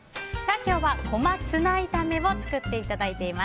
今日はこまツナ炒めを作っていただいています。